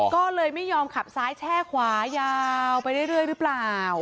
ก็เลยไม่ยอมขับซ้ายแช่ขวายาวไปเรื่อยหรือเปล่า